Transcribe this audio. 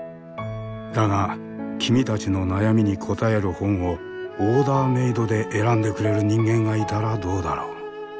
だが君たちの悩みに答える本をオーダーメードで選んでくれる人間がいたらどうだろう？